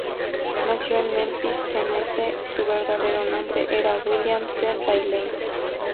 Nacido en Memphis, Tennessee, su verdadero nombre era William C. Bailey.